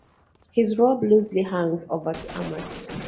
His robe loosely hangs over the armrest.